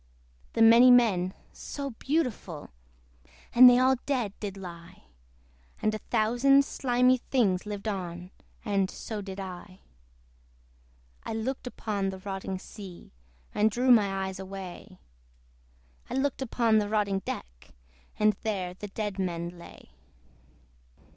The many men, so beautiful! And they all dead did lie: And a thousand thousand slimy things Lived on; and so did I. I looked upon the rotting sea, And drew my eyes away; I looked upon the rotting deck, And there the dead men lay.